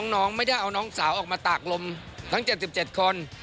น้องไม่ได้เอาน้องสาวออกมาตากลมทั้ง๗๗คน